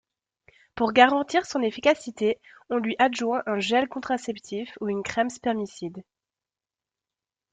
Pour garantir son efficacité, on lui adjoint un gel contraceptif ou une crème spermicide.